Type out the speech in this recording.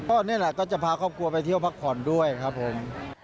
ก็นี่แหละก็จะพาครอบครัวไปเที่ยวพักผ่อนด้วยครับผม